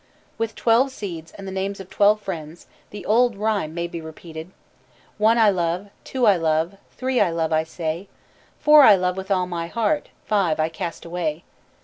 With twelve seeds and the names of twelve friends, the old rhyme may be repeated: "One I love, Two I love, Three I love, I say; Four I love with all my heart: Five I cast away.